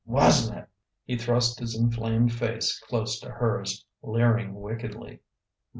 Wasn't it?" He thrust his inflamed face close to hers, leering wickedly.